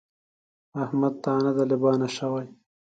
احمد تانده لبانه شو.